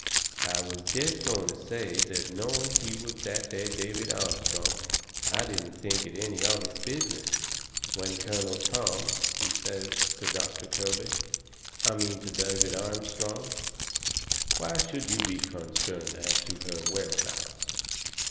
I was jest going to say that not knowing he was that there David Armstrong I didn't think it any of his business, when Colonel Tom, he says to Doctor Kirby I mean to David Armstrong: "Why should you be concerned as to her whereabouts?